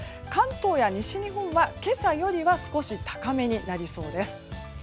関東や西日本は今朝よりは少し高めになりそうです。